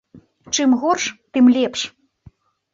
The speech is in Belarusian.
Чым горш, тым лепш.